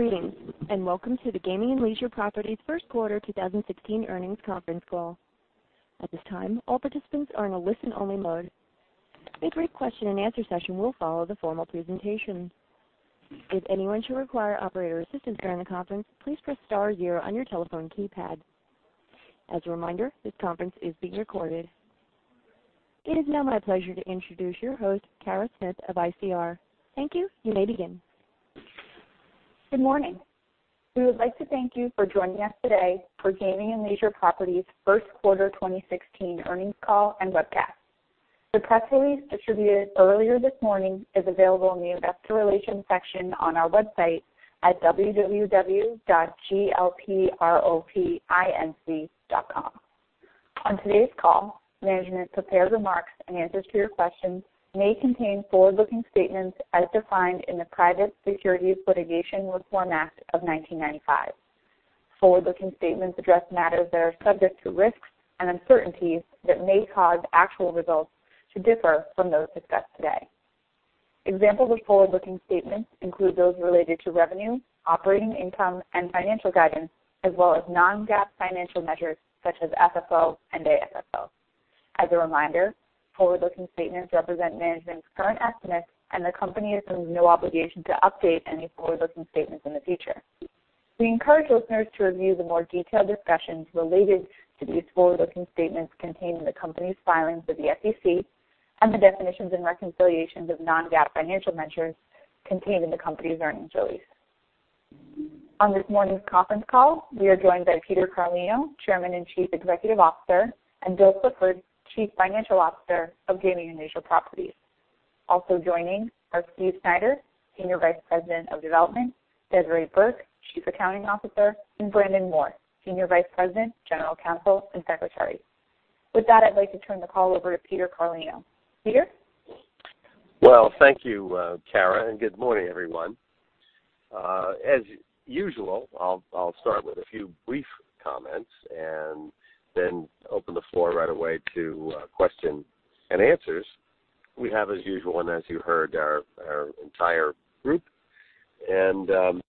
Greetings, welcome to the Gaming and Leisure Properties First Quarter 2016 Earnings Conference Call. At this time, all participants are in a listen-only mode. A brief question and answer session will follow the formal presentation. If anyone should require operator assistance during the conference, please press star zero on your telephone keypad. As a reminder, this conference is being recorded. It is now my pleasure to introduce your host, Kara Smith of ICR. Thank you. You may begin. Good morning. We would like to thank you for joining us today for Gaming and Leisure Properties First Quarter 2016 earnings call and webcast. The press release distributed earlier this morning is available in the investor relations section on our website at www.glproperties.com. On today's call, management prepared remarks and answers to your questions may contain forward-looking statements as defined in the Private Securities Litigation Reform Act of 1995. Forward-looking statements address matters that are subject to risks and uncertainties that may cause actual results to differ from those discussed today. Examples of forward-looking statements include those related to revenue, operating income and financial guidance, as well as non-GAAP financial measures such as FFO and AFFO. As a reminder, forward-looking statements represent management's current estimates and the company assumes no obligation to update any forward-looking statements in the future. We encourage listeners to review the more detailed discussions related to these forward-looking statements contained in the company's filings with the SEC and the definitions and reconciliations of non-GAAP financial measures contained in the company's earnings release. On this morning's conference call, we are joined by Peter Carlino, Chairman and Chief Executive Officer, and Bill Clifford, Chief Financial Officer of Gaming and Leisure Properties. Also joining are Steve Snyder, Senior Vice President of Development, Desiree Burke, Chief Accounting Officer, and Brandon Moore, Senior Vice President, General Counsel and Secretary. With that, I'd like to turn the call over to Peter Carlino. Peter? Thank you, Kara, good morning, everyone. As usual, I'll start with a few brief comments then open the floor right away to question and answers. We have as usual and as you heard, our entire group. I'm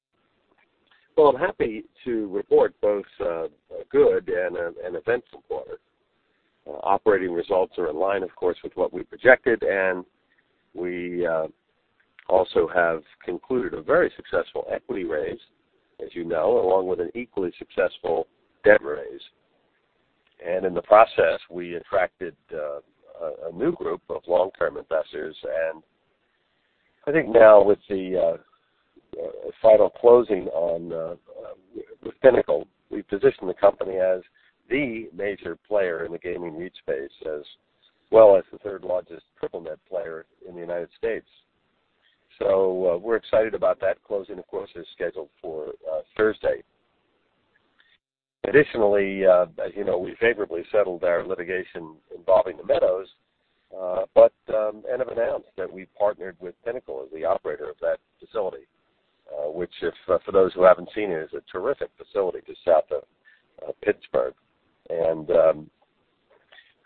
happy to report both a good and an eventful quarter. Operating results are in line, of course, with what we projected, we also have concluded a very successful equity raise, as you know, along with an equally successful debt raise. In the process, we attracted a new group of long-term investors. I think now with the final closing on with Pinnacle, we position the company as the major player in the gaming REIT space, as well as the third largest triple net player in the United States. We're excited about that closing, of course, is scheduled for Thursday. Additionally, we favorably settled our litigation involving the Meadows, and have announced that we partnered with Pinnacle as the operator of that facility, which if for those who haven't seen it, is a terrific facility just south of Pittsburgh. I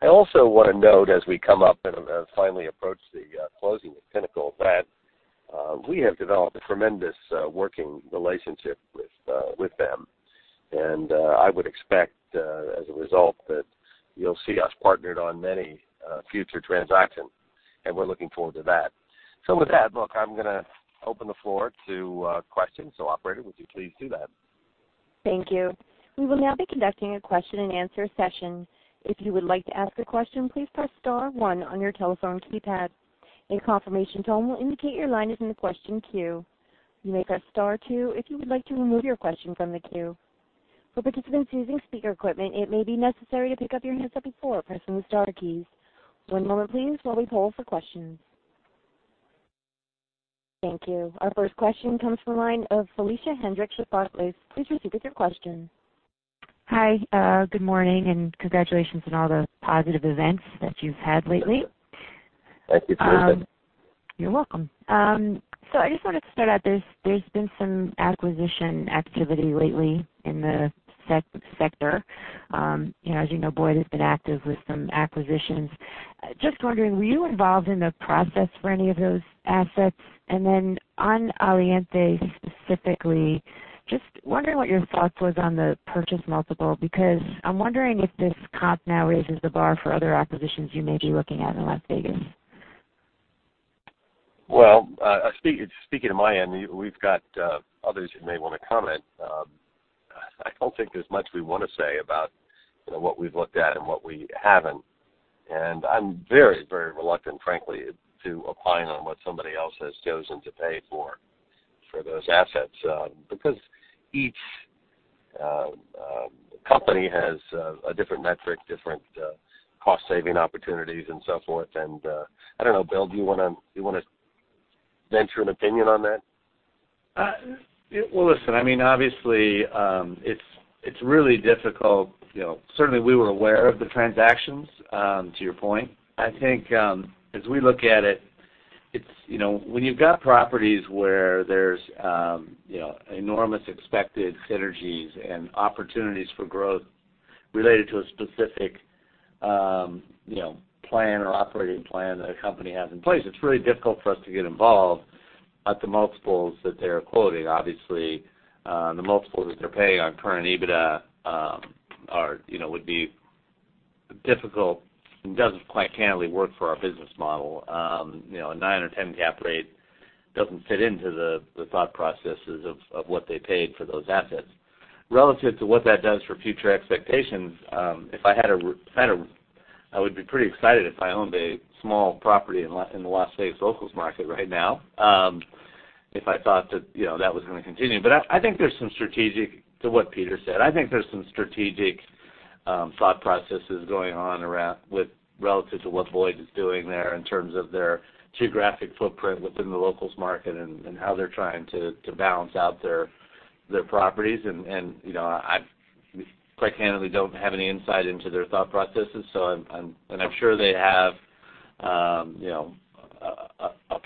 also want to note as we come up and finally approach the closing of Pinnacle, that we have developed a tremendous working relationship with them. I would expect, as a result, that you'll see us partnered on many future transactions, and we're looking forward to that. With that, look, I'm going to open the floor to questions. Operator, would you please do that? Thank you. We will now be conducting a question and answer session. If you would like to ask a question, please press star one on your telephone keypad. A confirmation tone will indicate your line is in the question queue. You may press star two if you would like to remove your question from the queue. For participants using speaker equipment, it may be necessary to pick up your headset before pressing the star keys. One moment please while we poll for questions. Thank you. Our first question comes from the line of Felicia Hendrix with Barclays. Please proceed with your question. Hi, good morning, and congratulations on all the positive events that you've had lately. Thank you for your input. You're welcome. I just wanted to start out, there's been some acquisition activity lately in the sector. As you know, Boyd has been active with some acquisitions. Just wondering, were you involved in the process for any of those assets? And then on Aliante specifically, just wondering what your thoughts was on the purchase multiple because I'm wondering if this comp now raises the bar for other acquisitions you may be looking at in Las Vegas. Speaking to my end, we've got others who may want to comment. I don't think there's much we want to say about what we've looked at and what we haven't. I'm very reluctant, frankly, to opine on what somebody else has chosen to pay for those assets, because each company has a different metric, different cost saving opportunities and so forth and, I don't know, Bill, do you want to venture an opinion on that? Listen, obviously, it's really difficult. Certainly, we were aware of the transactions, to your point. I think, as we look at it, when you've got properties where there's enormous expected synergies and opportunities for growth Related to a specific plan or operating plan that a company has in place. It's really difficult for us to get involved at the multiples that they're quoting. Obviously, the multiples that they're paying on current EBITDA would be difficult and doesn't, quite candidly, work for our business model. A nine or 10 cap rate doesn't fit into the thought processes of what they paid for those assets. Relative to what that does for future expectations, I would be pretty excited if I owned a small property in the Las Vegas locals market right now, if I thought that that was going to continue. To what Peter said, I think there's some strategic thought processes going on relative to what Boyd is doing there in terms of their geographic footprint within the locals market and how they're trying to balance out their properties. I, quite candidly, don't have any insight into their thought processes, and I'm sure they have a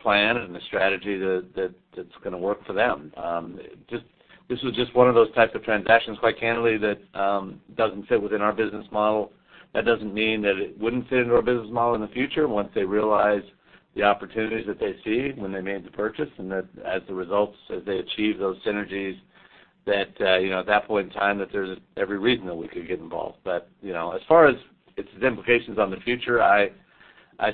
plan and a strategy that's going to work for them. This was just one of those types of transactions, quite candidly, that doesn't fit within our business model. That doesn't mean that it wouldn't fit into our business model in the future once they realize the opportunities that they see when they made the purchase, and that as a result, as they achieve those synergies, that at that point in time, that there's every reason that we could get involved. As far as its implications on the future, I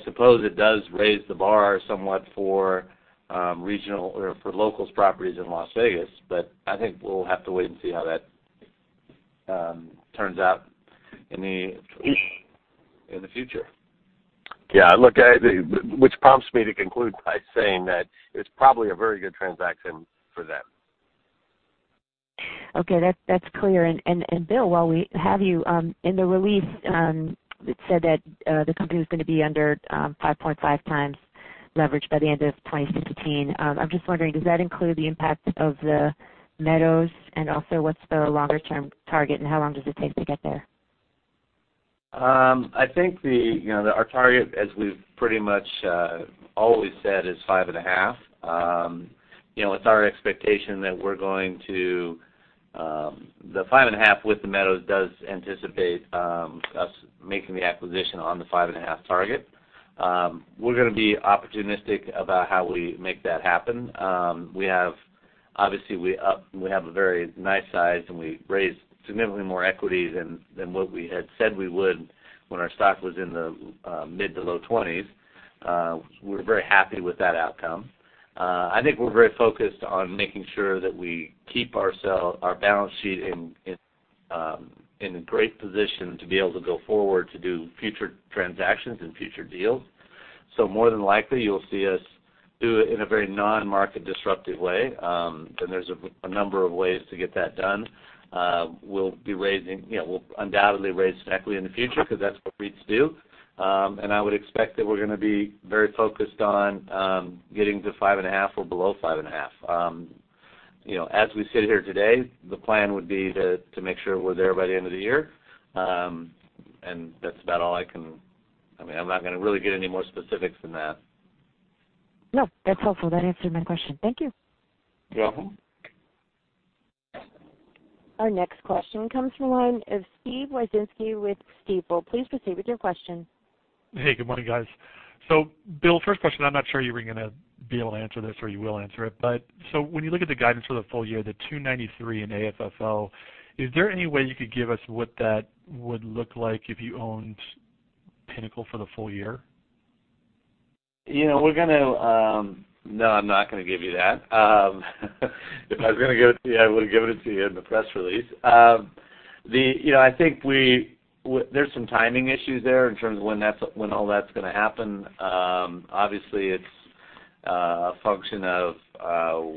suppose it does raise the bar somewhat for locals properties in Las Vegas. I think we'll have to wait and see how that turns out in the future. Yeah. Look, which prompts me to conclude by saying that it's probably a very good transaction for them. Okay. That's clear. Bill, while we have you, in the release, it said that the company was going to be under 5.5 times leverage by the end of 2016. I'm just wondering, does that include the impact of the Meadows? Also, what's the longer-term target, and how long does it take to get there? I think that our target, as we've pretty much always said, is 5.5. The 5.5 with the Meadows does anticipate us making the acquisition on the 5.5 target. We're going to be opportunistic about how we make that happen. Obviously, we have a very nice size, and we raised significantly more equity than what we had said we would when our stock was in the mid to low 20s. We're very happy with that outcome. I think we're very focused on making sure that we keep our balance sheet in a great position to be able to go forward to do future transactions and future deals. More than likely, you'll see us do it in a very non-market disruptive way. There's a number of ways to get that done. We'll undoubtedly raise equity in the future because that's what REITs do. I would expect that we're going to be very focused on getting to 5.5 or below 5.5. As we sit here today, the plan would be to make sure we're there by the end of the year. That's about all. I'm not going to really give any more specifics than that. No, that's helpful. That answered my question. Thank you. You're welcome. Our next question comes from the line of Steve Wieczynski with Stifel. Please proceed with your question. Hey, good morning, guys. Bill, first question, I'm not sure you were going to be able to answer this, or you will answer it. When you look at the guidance for the full year, the $2.93 in AFFO, is there any way you could give us what that would look like if you owned Pinnacle for the full year? No, I'm not going to give you that. If I was going to give it to you, I would've given it to you in the press release. I think there's some timing issues there in terms of when all that's going to happen. Obviously, it's a function of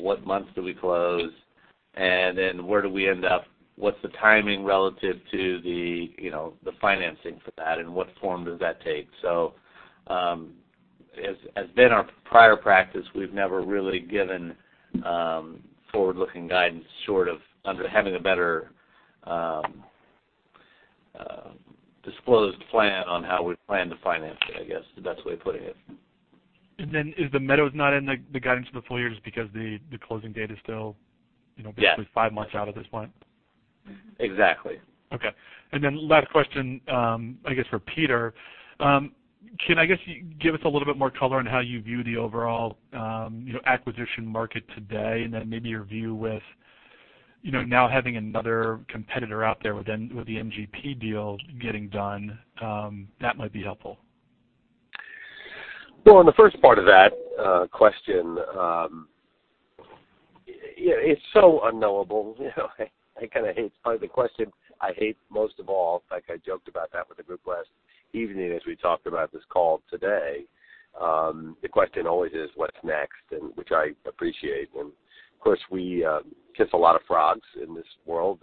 what month do we close, and then where do we end up? What's the timing relative to the financing for that, and what form does that take? As been our prior practice, we've never really given forward-looking guidance short of having a better disclosed plan on how we plan to finance it, I guess, is the best way of putting it. Is the Meadows not in the guidance for the full year just because the closing date is still basically five months out at this point? Exactly. Okay. Last question, I guess, for Peter. Can, I guess, you give us a little bit more color on how you view the overall acquisition market today, and then maybe your view with now having another competitor out there with the MGP deal getting done? That might be helpful. On the first part of that question, it's so unknowable. It's probably the question I hate most of all. In fact, I joked about that with the group last evening as we talked about this call today. The question always is what's next? Which I appreciate, and of course, we kiss a lot of frogs in this world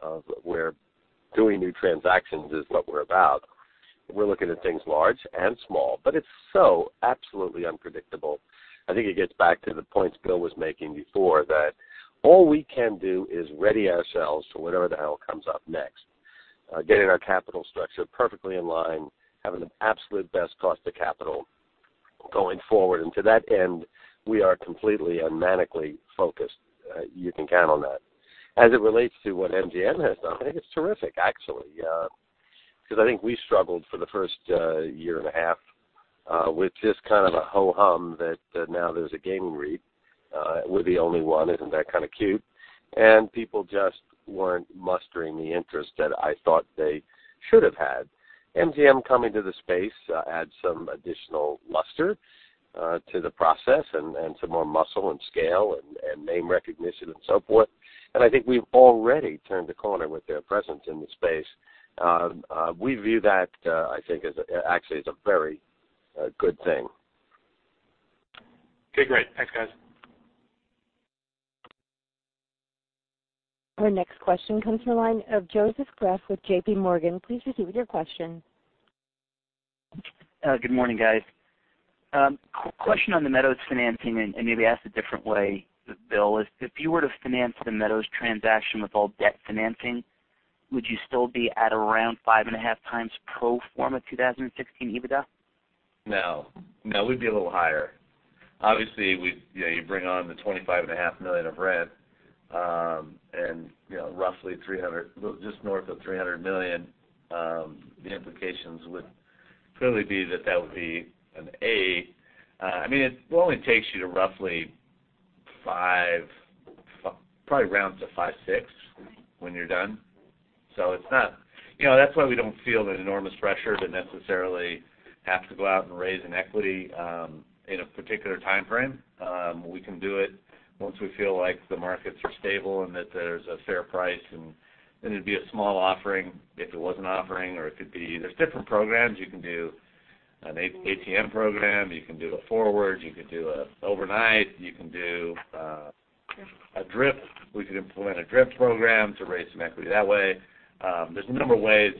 of where doing new transactions is what we're about. We're looking at things large and small, it's so absolutely unpredictable. I think it gets back to the points Bill was making before, that all we can do is ready ourselves for whatever the hell comes up next. Getting our capital structure perfectly in line, having the absolute best cost of capital Going forward. To that end, we are completely and manically focused. You can count on that. As it relates to what MGM has done, I think it's terrific, actually. I think we struggled for the first year and a half with just kind of a ho-hum that now there's a gaming REIT. We're the only one, isn't that kind of cute? People just weren't mustering the interest that I thought they should have had. MGM coming to the space adds some additional luster to the process and some more muscle and scale and name recognition and so forth. I think we've already turned a corner with their presence in the space. We view that, I think, actually as a very good thing. Okay, great. Thanks, guys. Our next question comes from the line of Joseph Greff with J.P. Morgan. Please proceed with your question. Good morning, guys. Question on the Meadows financing and maybe asked a different way, Bill, is if you were to finance the Meadows transaction with all debt financing, would you still be at around 5.5 times pro forma 2016 EBITDA? No, we'd be a little higher. Obviously, you bring on the $25.5 million of rent, and roughly just north of $300 million, the implications would clearly be that would be an X. It only takes you to roughly five, probably rounds of five, six when you're done. That's why we don't feel an enormous pressure to necessarily have to go out and raise an equity in a particular timeframe. We can do it once we feel like the markets are stable and that there's a fair price, and then it'd be a small offering if it was an offering, or it could be there's different programs. You can do an ATM program, you can do a forward, you could do an overnight, you can do a DRIP. We could implement a DRIP program to raise some equity that way. There's a number of ways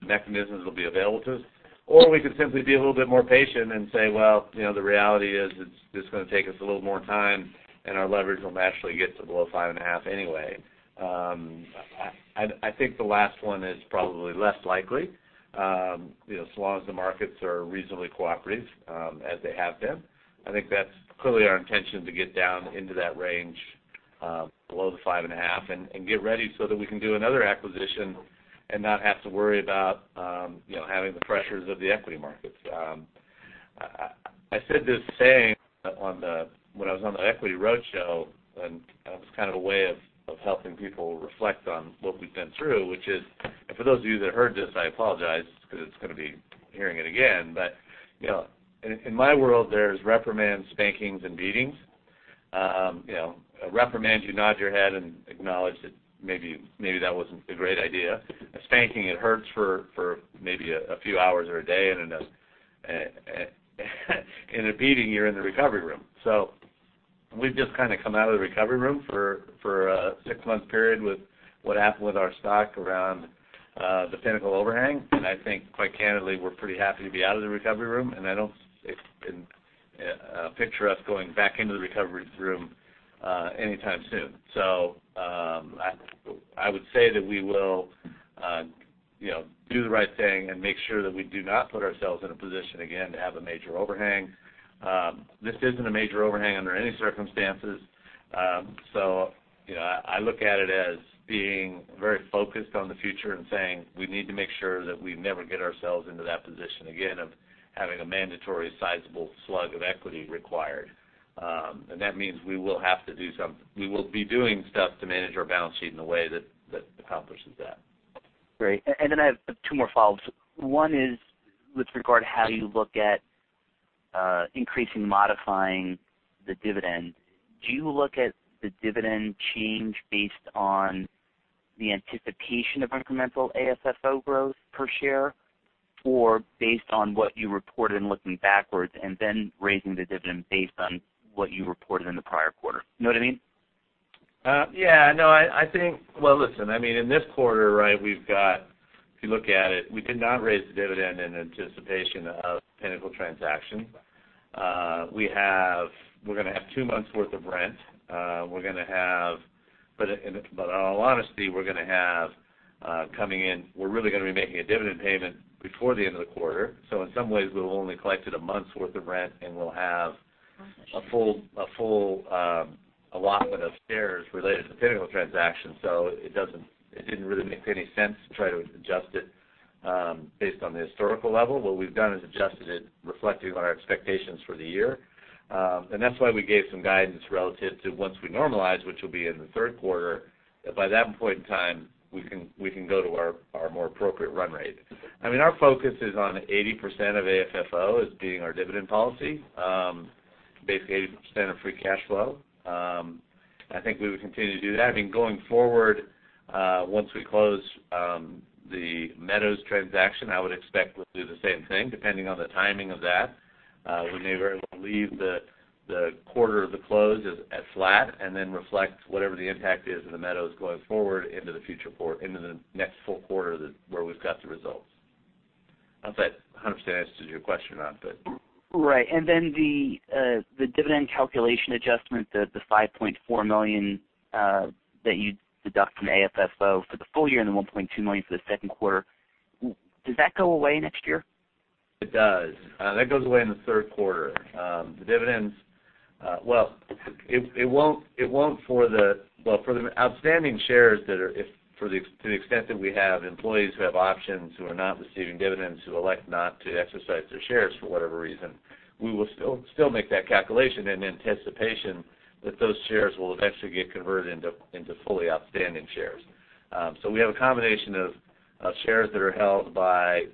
mechanisms will be available to us, or we could simply be a little bit more patient and say, "Well, the reality is it's going to take us a little more time, and our leverage will naturally get to below 5.5 anyway." I think the last one is probably less likely. As long as the markets are reasonably cooperative as they have been, I think that's clearly our intention to get down into that range below the 5.5 and get ready so that we can do another acquisition and not have to worry about having the pressures of the equity markets. I said this saying when I was on the equity roadshow, It was kind of a way of helping people reflect on what we've been through, which is, and for those of you that heard this, I apologize because it's going to be hearing it again. In my world, there's reprimands, spankings, and beatings. A reprimand, you nod your head and acknowledge that maybe that wasn't a great idea. A spanking, it hurts for maybe a few hours or a day, and in a beating, you're in the recovery room. We've just kind of come out of the recovery room for a six-month period with what happened with our stock around the Pinnacle overhang, and I think, quite candidly, we're pretty happy to be out of the recovery room, and I don't picture us going back into the recovery room anytime soon. I would say that we will do the right thing and make sure that we do not put ourselves in a position again to have a major overhang. This isn't a major overhang under any circumstances. I look at it as being very focused on the future and saying, "We need to make sure that we never get ourselves into that position again of having a mandatory sizable slug of equity required." That means we will be doing stuff to manage our balance sheet in the way that accomplishes that. Great. Then I have 2 more follow-ups. One is with regard how you look at increasing, modifying the dividend. Do you look at the dividend change based on the anticipation of incremental AFFO growth per share or based on what you reported and looking backwards and then raising the dividend based on what you reported in the prior quarter? You know what I mean? In this quarter, right, we've got, if you look at it, we could not raise the dividend in anticipation of Pinnacle transaction. We're going to have 2 months worth of rent. In all honesty, we're going to have coming in, we're really going to be making a dividend payment before the end of the quarter. In some ways, we'll only collected a month's worth of rent, and we'll have a full allotment of shares related to the Pinnacle transaction. It didn't really make any sense to try to adjust it based on the historical level. What we've done is adjusted it reflective on our expectations for the year. That's why we gave some guidance relative to once we normalize, which will be in the 3rd quarter. By that point in time, we can go to our more appropriate run rate. Our focus is on 80% of AFFO as being our dividend policy. Basically, 80% of free cash flow. I think we would continue to do that. Going forward, once we close the Meadows transaction, I would expect we'll do the same thing, depending on the timing of that. We may very well leave the quarter of the close as flat and then reflect whatever the impact is in the Meadows going forward into the next full quarter where we've got the results. Not sure if that 100% answers your question or not, Right. The dividend calculation adjustment, the $5.4 million that you deduct from AFFO for the full year and the $1.2 million for the second quarter, does that go away next year? It does. That goes away in the third quarter. Well, for the outstanding shares, to the extent that we have employees who have options who are not receiving dividends, who elect not to exercise their shares for whatever reason, we will still make that calculation in anticipation that those shares will eventually get converted into fully outstanding shares. We have a combination of shares that are held by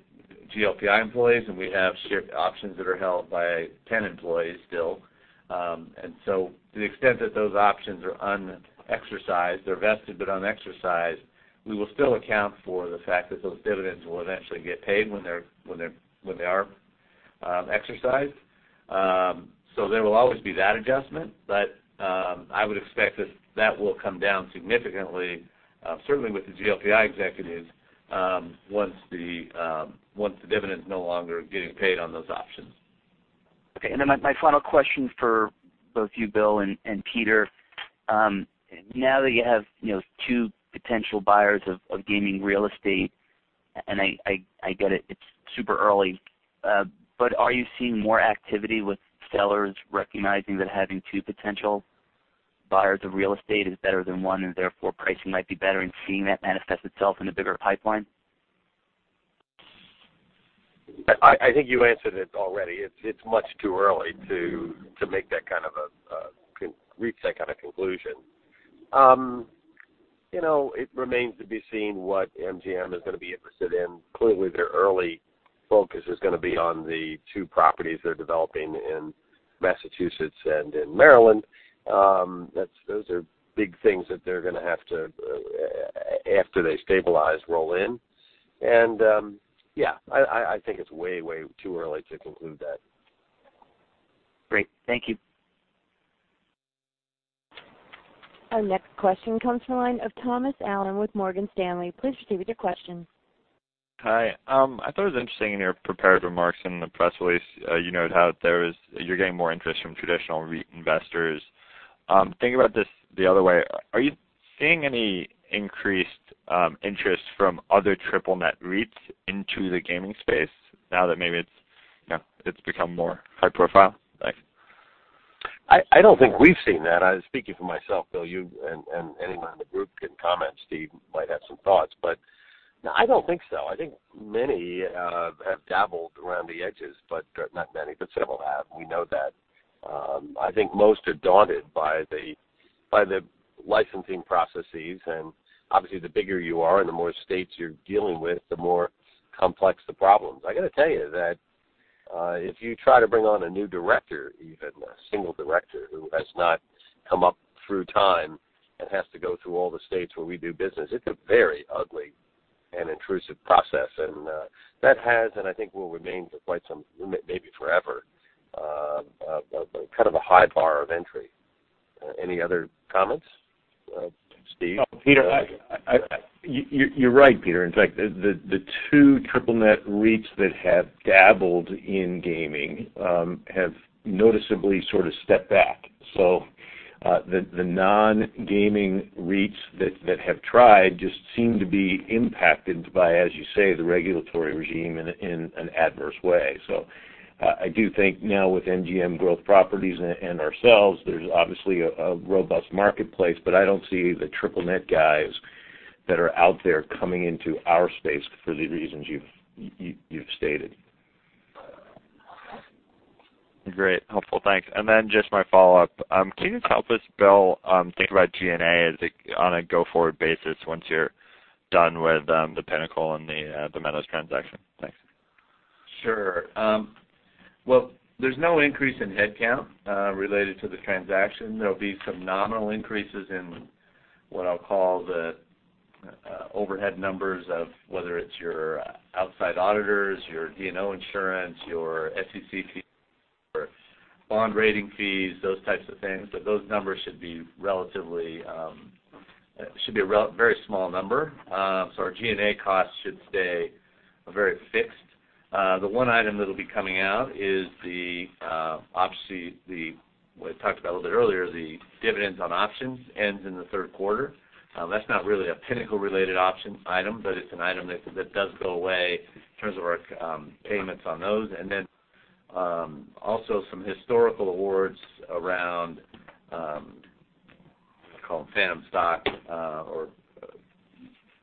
GLPI employees, and we have share options that are held by Penn employees still. To the extent that those options are unexercised, they're vested but unexercised, we will still account for the fact that those dividends will eventually get paid when they are exercised. There will always be that adjustment, but I would expect that that will come down significantly, certainly with the GLPI executives, once the dividend is no longer getting paid on those options. Okay. My final question for both you, Bill, and Peter, now that you have two potential buyers of gaming real estate, and I get it's super early, but are you seeing more activity with sellers recognizing that having two potential buyers of real estate is better than one, therefore pricing might be better, and seeing that manifest itself in a bigger pipeline? I think you answered it already. It's much too early to reach that kind of conclusion. It remains to be seen what MGM is going to be interested in. Clearly, their early focus is going to be on the two properties they're developing in Massachusetts and in Maryland. Those are big things that they're going to have to, after they stabilize, roll in. Yeah, I think it's way too early to conclude that. Great. Thank you. Our next question comes from the line of Thomas Allen with Morgan Stanley. Please proceed with your question. Hi. I thought it was interesting in your prepared remarks in the press release, you noted how you're getting more interest from traditional REIT investors. Thinking about this the other way, are you seeing any increased interest from other Triple Net REITs into the gaming space now that maybe it's become more high profile? Thanks. I don't think we've seen that. I'm speaking for myself. Bill, you and anyone in the group can comment. Steve might have some thoughts, but I don't think so. I think many have dabbled around the edges, but not many, but several have. We know that. I think most are daunted by the licensing processes. Obviously, the bigger you are and the more states you're dealing with, the more complex the problems. I got to tell you that if you try to bring on a new director, even a single director, who has not come up through time and has to go through all the states where we do business, it's a very ugly and intrusive process. That has, and I think will remain for maybe forever, kind of a high bar of entry. Any other comments? Steve? Peter, you're right, Peter. In fact, the two Triple Net Lease REITs that have dabbled in gaming have noticeably sort of stepped back. The non-gaming REITs that have tried just seem to be impacted by, as you say, the regulatory regime in an adverse way. I do think now with MGM Growth Properties and ourselves, there's obviously a robust marketplace, but I don't see the triple-net guys that are out there coming into our space for the reasons you've stated. Great. Helpful. Thanks. Just my follow-up. Can you just help us, Bill, think about G&A on a go-forward basis once you're done with the Pinnacle and The Meadows transaction? Thanks. Sure. Well, there's no increase in headcount related to the transaction. There'll be some nominal increases in what I'll call the overhead numbers of whether it's your outside auditors, your D&O insurance, your SEC fees, or bond rating fees, those types of things. Those numbers should be a very small number. Our G&A costs should stay very fixed. The one item that'll be coming out is what I talked about a little bit earlier, is the dividends on options ends in the third quarter. That's not really a Pinnacle-related option item, but it's an item that does go away in terms of our payments on those. Also some historical awards around, call them phantom stock, or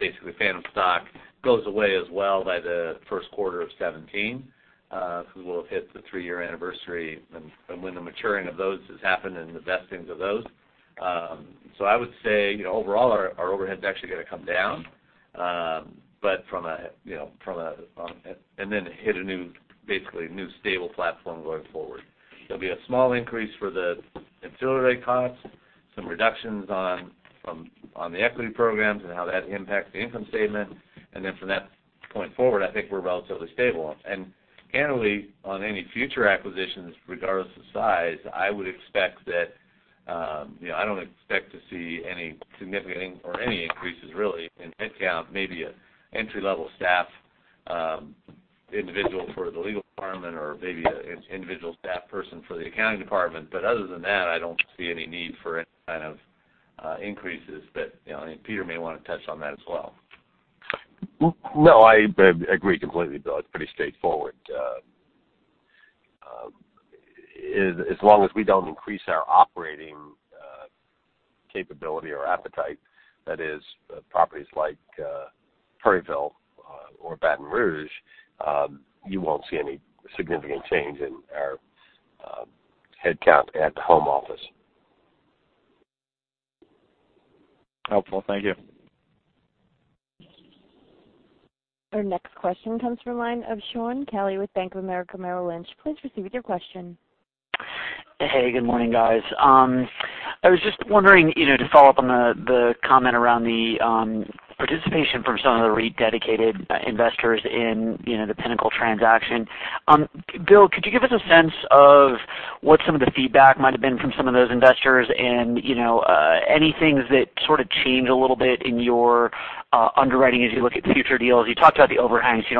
basically phantom stock, goes away as well by the first quarter of 2017. We will have hit the three-year anniversary and when the maturing of those has happened and the vesting of those. I would say, overall, our overhead's actually going to come down and then hit basically a new stable platform going forward. There'll be a small increase for the ancillary costs, some reductions on the equity programs and how that impacts the income statement. From that point forward, I think we're relatively stable. Candidly, on any future acquisitions, regardless of size, I don't expect to see any significant or any increases, really, in headcount. Maybe an entry-level staff individual for the legal department or maybe an individual staff person for the accounting department. Other than that, I don't see any need for any kind of increases. Peter may want to touch on that as well. I agree completely, Bill. It's pretty straightforward. As long as we don't increase our operating capability or appetite, that is, properties like Prairieville or Baton Rouge, you won't see any significant change in our headcount at the home office. Helpful. Thank you. Our next question comes from the line of Shaun Kelley with Bank of America Merrill Lynch. Please proceed with your question. Hey, good morning, guys. I was just wondering, to follow up on the comment around the participation from some of the REIT dedicated investors in the Pinnacle transaction. Bill, could you give us a sense of what some of the feedback might have been from some of those investors and, any things that sort of change a little bit in your underwriting as you look at future deals? You talked about the overhangs. You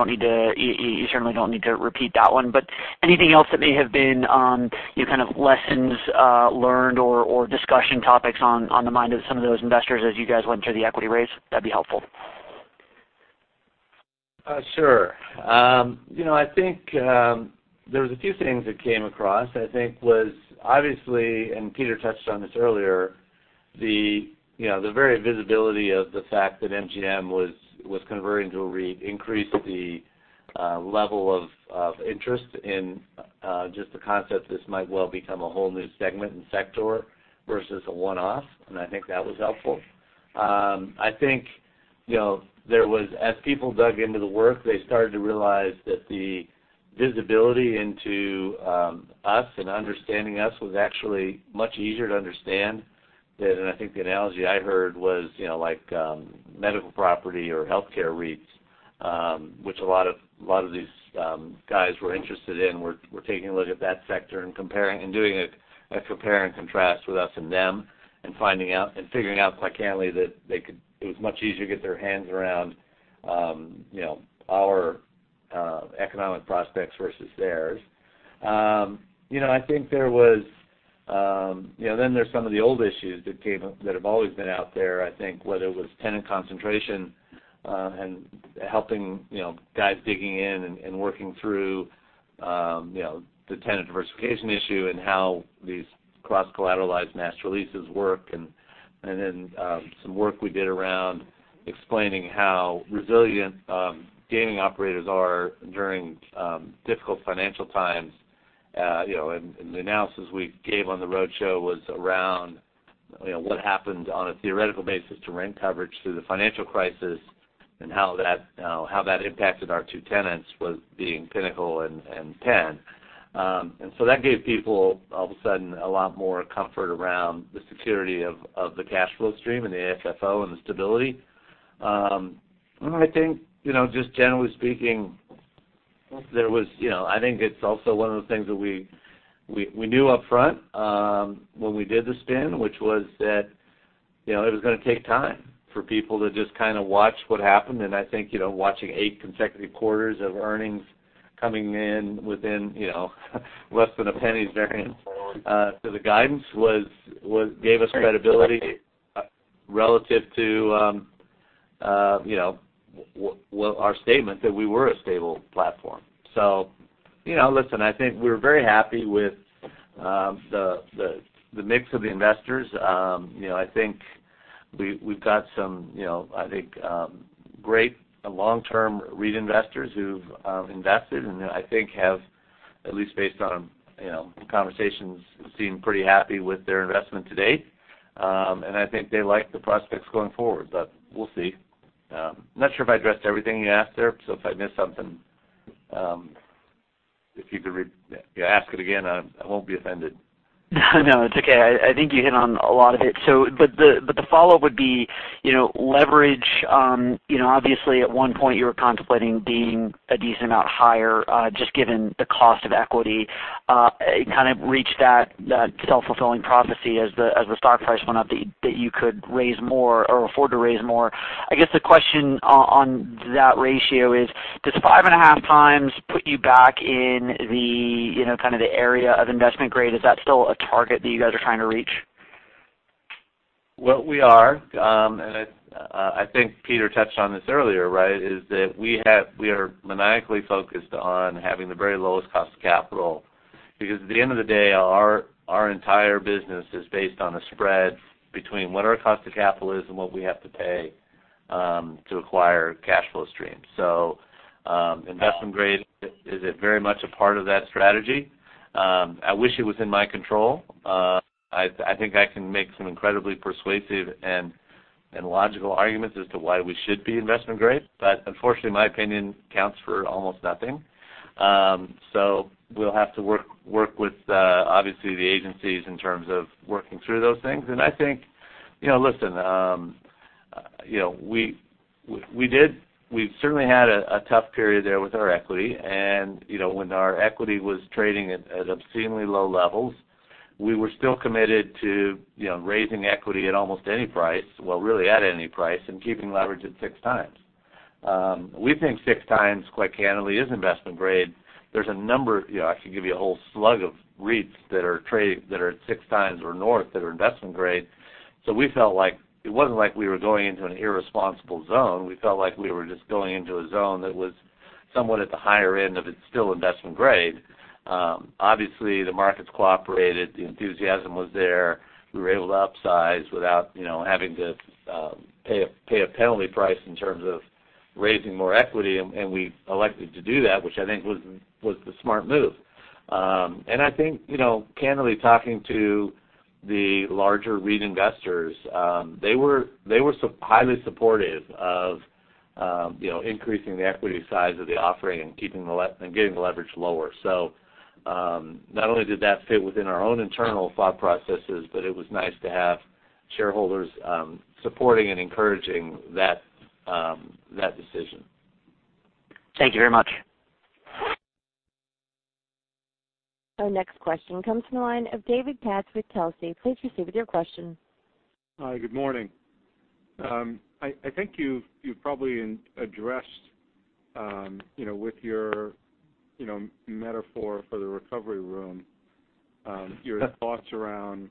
certainly don't need to repeat that one. Anything else that may have been, your kind of lessons learned or discussion topics on the mind of some of those investors as you guys went through the equity raise, that'd be helpful. Sure. I think there was a few things that came across. I think was obviously, and Peter touched on this earlier, the very visibility of the fact that MGM was converting to a REIT increased the level of interest in just the concept this might well become a whole new segment and sector versus a one-off, and I think that was helpful. I think, as people dug into the work, they started to realize that the visibility into us and understanding us was actually much easier to understand than, and I think the analogy I heard was, like medical property or healthcare REITs, which a lot of these guys were interested in, were taking a look at that sector and doing a compare and contrast with us and them, and figuring out quite candidly, that it was much easier to get their hands around our economic prospects versus theirs. There's some of the old issues that have always been out there, I think, whether it was tenant concentration, and helping guys digging in and working through the tenant diversification issue and how these cross-collateralized master leases work and then some work we did around explaining how resilient gaming operators are during difficult financial times. The analysis we gave on the road show was around what happened on a theoretical basis to rent coverage through the financial crisis and how that impacted our two tenants was being Pinnacle and Penn. That gave people, all of a sudden, a lot more comfort around the security of the cash flow stream and the AFFO and the stability. I think, just generally speaking, I think it's also one of the things that we knew upfront, when we did the spin, which was that, it was going to take time for people to just kind of watch what happened. I think, watching eight consecutive quarters of earnings coming in within, less than a penny's variance to the guidance gave us credibility relative to our statement that we were a stable platform. Listen, I think we're very happy with the mix of the investors. I think we've got some great long-term REIT investors who've invested and I think have at least based on conversations, seem pretty happy with their investment to date. I think they like the prospects going forward, we'll see. I'm not sure if I addressed everything you asked there, so if I missed something, if you could ask it again, I won't be offended. No, it's okay. I think you hit on a lot of it. The follow-up would be, leverage, obviously at one point you were contemplating being a decent amount higher, just given the cost of equity. It kind of reached that self-fulfilling prophecy as the stock price went up, that you could raise more or afford to raise more. I guess the question on that ratio is, does five and a half times put you back in the area of investment grade? Is that still a target that you guys are trying to reach? What we are, and I think Peter touched on this earlier, is that we are maniacally focused on having the very lowest cost of capital because at the end of the day, our entire business is based on a spread between what our cost of capital is and what we have to pay, to acquire cash flow streams. Investment grade is very much a part of that strategy. I wish it was in my control. I think I can make some incredibly persuasive and logical arguments as to why we should be investment grade, but unfortunately, my opinion counts for almost nothing. We'll have to work with, obviously, the agencies in terms of working through those things. I think, listen, we've certainly had a tough period there with our equity, and when our equity was trading at obscenely low levels. We were still committed to raising equity at almost any price. Well, really at any price, and keeping leverage at six times. We think six times, quite candidly, is investment grade. There's a number, I could give you a whole slug of REITs that are at six times or north that are investment grade. We felt like it wasn't like we were going into an irresponsible zone. We felt like we were just going into a zone that was somewhat at the higher end of it's still investment grade. Obviously, the markets cooperated. The enthusiasm was there. We were able to upsize without having to pay a penalty price in terms of raising more equity, we elected to do that, which I think was the smart move. I think, candidly, talking to the larger REIT investors, they were highly supportive of increasing the equity size of the offering and getting the leverage lower. Not only did that fit within our own internal thought processes, but it was nice to have shareholders supporting and encouraging that decision. Thank you very much. Our next question comes from the line of David Katz with Telsey. Please proceed with your question. Hi, good morning. I think you've probably addressed, with your metaphor for the recovery room, your thoughts around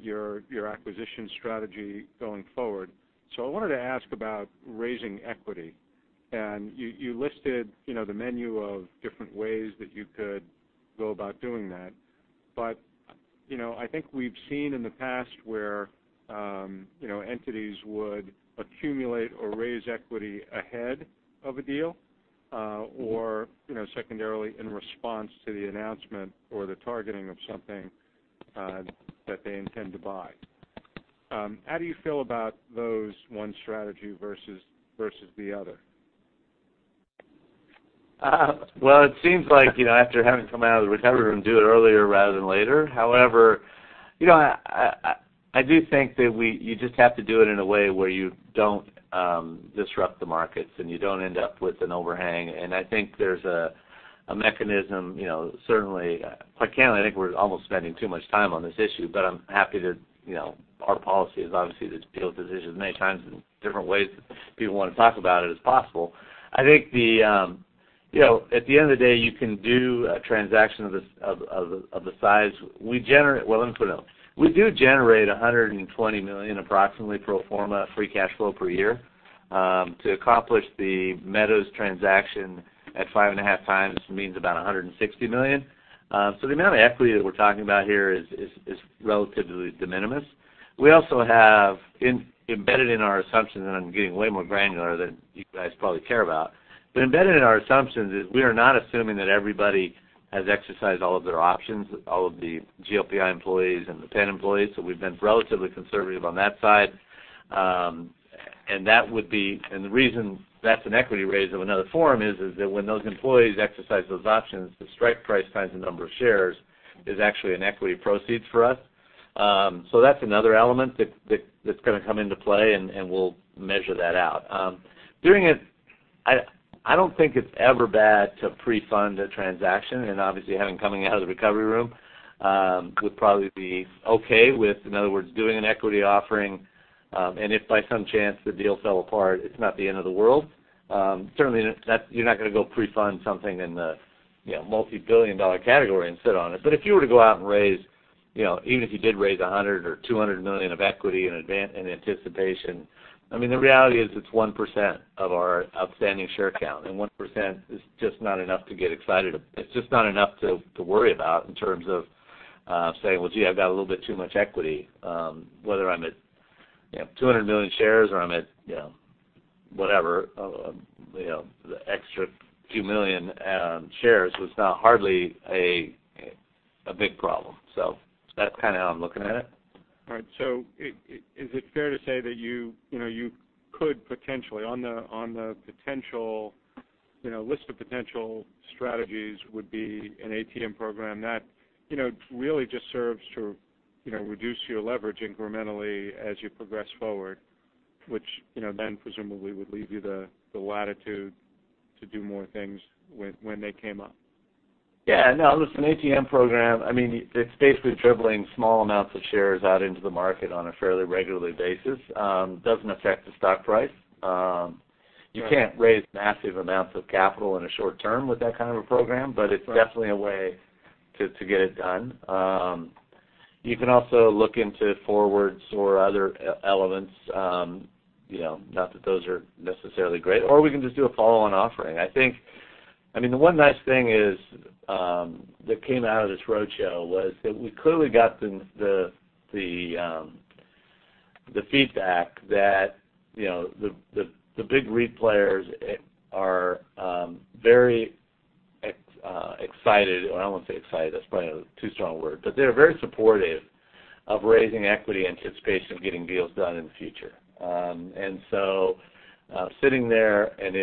your acquisition strategy going forward. I wanted to ask about raising equity. You listed the menu of different ways that you could go about doing that. I think we've seen in the past where entities would accumulate or raise equity ahead of a deal, or secondarily in response to the announcement or the targeting of something that they intend to buy. How do you feel about those one strategy versus the other? Well, it seems like, after having come out of the recovery room, do it earlier rather than later. However, I do think that you just have to do it in a way where you don't disrupt the markets, and you don't end up with an overhang. I think there's a mechanism, certainly, quite candidly, I think we're almost spending too much time on this issue, but I'm happy to. Our policy is obviously to deal with this as many times in different ways that people want to talk about it as possible. I think at the end of the day, you can do a transaction of this size. Well, let me put it up. We do generate $120 million, approximately, pro forma free cash flow per year. To accomplish the Meadows transaction at five and a half times means about $160 million. The amount of equity that we're talking about here is relatively de minimis. We also have embedded in our assumption, and I'm getting way more granular than you guys probably care about, but embedded in our assumptions is we are not assuming that everybody has exercised all of their options, all of the GLPI employees and the Penn employees, so we've been relatively conservative on that side. The reason that's an equity raise of another form is that when those employees exercise those options, the strike price times the number of shares is actually an equity proceed for us. That's another element that's going to come into play, and we'll measure that out. Doing it, I don't think it's ever bad to pre-fund a transaction, and obviously, having coming out of the recovery room, would probably be okay with, in other words, doing an equity offering, and if by some chance the deal fell apart, it's not the end of the world. Certainly, you're not going to go pre-fund something in the multi-billion-dollar category and sit on it. If you were to go out and raise, even if you did raise $100 million or $200 million of equity in anticipation, the reality is it's 1% of our outstanding share count. 1% is just not enough to get excited. It's just not enough to worry about in terms of saying, "Well, gee, I've got a little bit too much equity." Whether I'm at 200 million shares or I'm at whatever, the extra few million shares was now hardly a big problem. That's kind of how I'm looking at it. Is it fair to say that you could potentially, on the list of potential strategies would be an ATM program that really just serves to reduce your leverage incrementally as you progress forward, which then presumably would leave you the latitude to do more things when they came up? Yeah, no. Listen, ATM program, it's basically dribbling small amounts of shares out into the market on a fairly regular basis. Doesn't affect the stock price. Right. You can't raise massive amounts of capital in a short term with that kind of a program. Right It's definitely a way to get it done. You can also look into forwards or other elements. Not that those are necessarily great, or we can just do a follow-on offering. I think, the one nice thing that came out of this roadshow was that we clearly got the feedback that the big REIT players are very excited I don't want to say excited, that's probably too strong a word, but they're very supportive of raising equity in anticipation of getting deals done in the future. Sitting there, and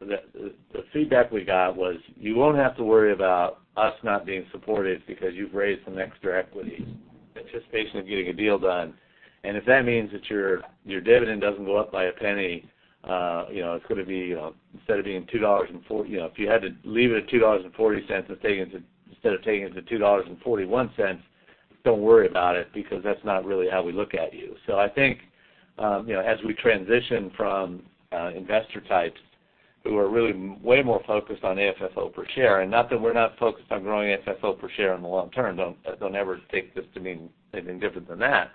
the feedback we got was, "You won't have to worry about us not being supportive because you've raised some extra equity in anticipation of getting a deal done. If that means that your dividend doesn't go up by a penny. It's going to be, instead of being $2.40, if you had to leave it at $2.40, instead of taking it to $2.41, don't worry about it, because that's not really how we look at you. I think, as we transition from investor types who are really way more focused on AFFO per share, and not that we're not focused on growing AFFO per share in the long term, don't ever take this to mean anything different than that.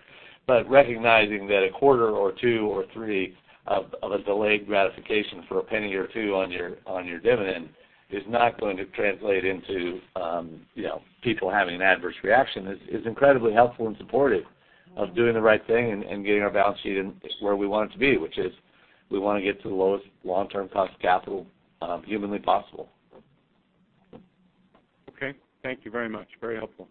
Recognizing that a quarter or two or three of a delayed gratification for a penny or two on your dividend is not going to translate into people having an adverse reaction is incredibly helpful and supportive of doing the right thing and getting our balance sheet where we want it to be, which is we want to get to the lowest long-term cost of capital humanly possible. Okay. Thank you very much. Very helpful.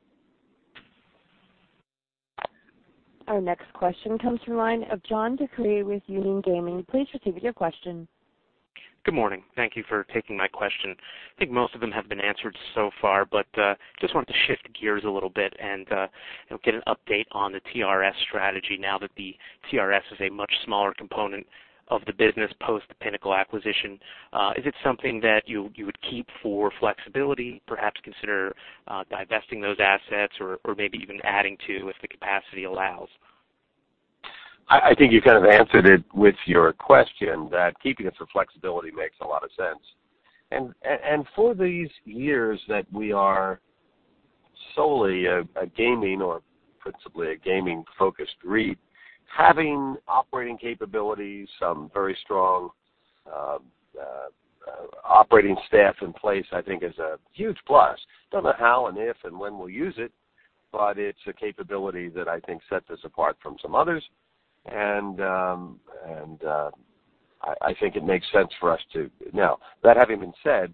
Our next question comes from the line of John DeCree with Union Gaming. Please proceed with your question. Good morning. Thank you for taking my question. I think most of them have been answered so far. Just wanted to shift gears a little bit and get an update on the TRS strategy now that the TRS is a much smaller component of the business post the Pinnacle acquisition. Is it something that you would keep for flexibility, perhaps consider divesting those assets or maybe even adding to if the capacity allows? I think you kind of answered it with your question, that keeping it for flexibility makes a lot of sense. For these years that we are solely a gaming, or principally a gaming-focused REIT, having operating capabilities, some very strong operating staff in place, I think is a huge plus. Don't know how and if and when we'll use it, but it's a capability that I think sets us apart from some others. I think it makes sense for us to. Now, that having been said,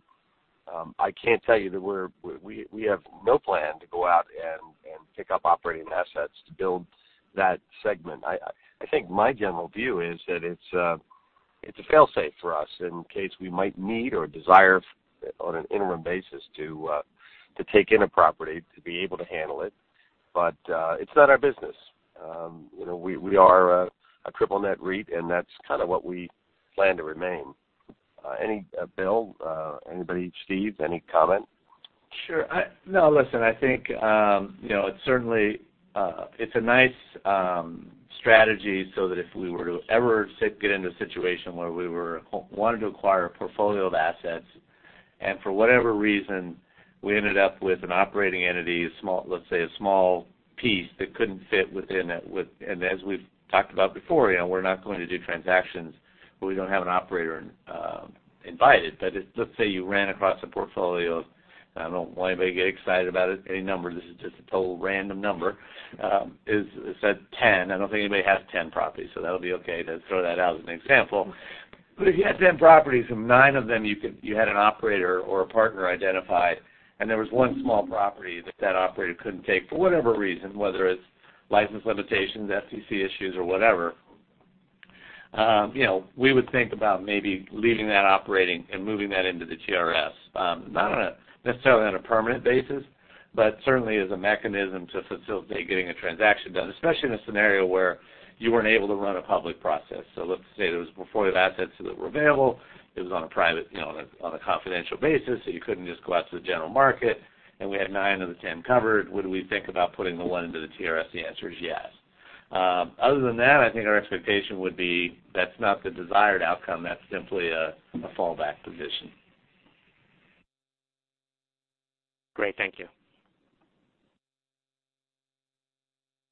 I can't tell you that we have no plan to go out and pick up operating assets to build that segment. I think my general view is that it's a fail-safe for us in case we might need or desire on an interim basis to take in a property to be able to handle it. It's not our business. We are a Triple Net REIT, and that's kind of what we plan to remain. Bill, anybody, Steve, any comment? Sure. No, listen, I think, it's a nice strategy so that if we were to ever get into a situation where we wanted to acquire a portfolio of assets, and for whatever reason, we ended up with an operating entity, let's say a small piece that couldn't fit within it. As we've talked about before, we're not going to do transactions where we don't have an operator invited. Let's say you ran across a portfolio of, I don't want anybody to get excited about any number, this is just a total random number, is let's say 10. I don't think anybody has 10 properties, so that'll be okay to throw that out as an example. If you had 10 properties, and 9 of them you had an operator or a partner identified, and there was one small property that that operator couldn't take for whatever reason, whether it's license limitations, FTC issues, or whatever, we would think about maybe leaving that operating and moving that into the TRS. Not necessarily on a permanent basis, but certainly as a mechanism to facilitate getting a transaction done, especially in a scenario where you weren't able to run a public process. Let's say there was a portfolio of assets that were available. It was on a confidential basis, so you couldn't just go out to the general market, and we had 9 of the 10 covered. Would we think about putting the one into the TRS? The answer is yes. Other than that, I think our expectation would be that's not the desired outcome. That's simply a fallback position. Great. Thank you.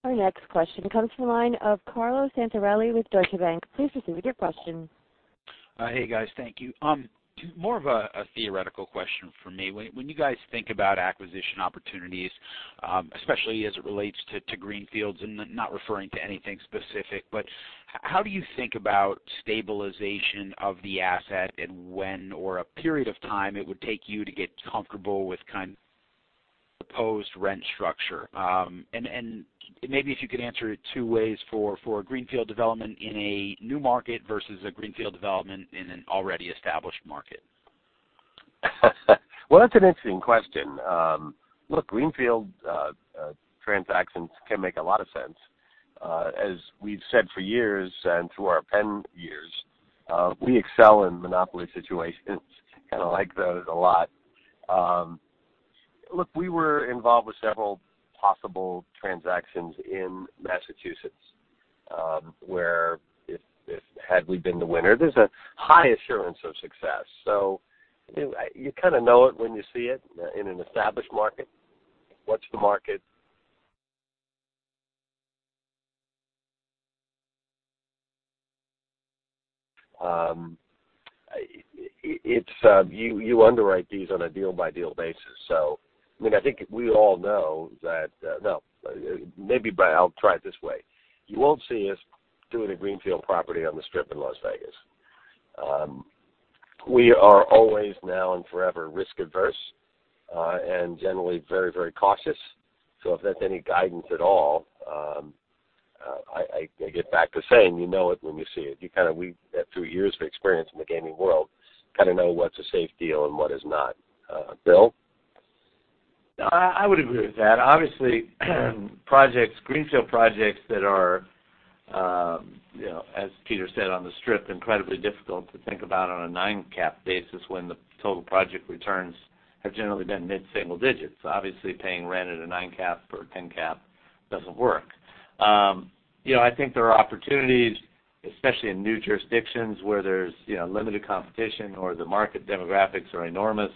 Our next question comes from the line of Carlo Santarelli with Deutsche Bank. Please proceed with your question. Hey, guys. Thank you. More of a theoretical question from me. When you guys think about acquisition opportunities, especially as it relates to greenfields, not referring to anything specific, but how do you think about stabilization of the asset and when, or a period of time it would take you to get comfortable with proposed rent structure? Maybe if you could answer it two ways for a greenfield development in a new market versus a greenfield development in an already established market. Well, that's an interesting question. Look, greenfield transactions can make a lot of sense. As we've said for years and through our Penn years, we excel in monopoly situations, kind of like those a lot. Look, we were involved with several possible transactions in Massachusetts, where had we been the winner, there's a high assurance of success. You kind of know it when you see it in an established market. What's the market? You underwrite these on a deal-by-deal basis. I think we all know that. Maybe I'll try it this way. You won't see us doing a greenfield property on the Strip in Las Vegas. We are always now and forever risk-averse, and generally very cautious. If that's any guidance at all, I get back to saying, you know it when you see it. We have two years of experience in the gaming world, kind of know what's a safe deal and what is not. Bill? I would agree with that. Obviously, greenfield projects that are, as Peter said, on the Strip, incredibly difficult to think about on a nine cap basis when the total project returns have generally been mid-single digits. Obviously, paying rent at a nine cap or a 10 cap doesn't work. I think there are opportunities, especially in new jurisdictions where there's limited competition or the market demographics are enormous,